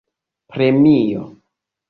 premio